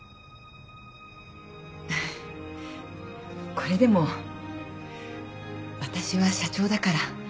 これでも私は社長だから。